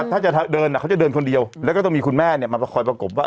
ถ้าจะเดินเขาจะเดินคนเดียวแล้วก็ต้องมีคุณแม่เนี่ยมาประคอยประกบว่า